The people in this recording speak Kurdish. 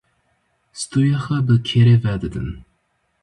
Stûyê xwe bi kêrê ve didin.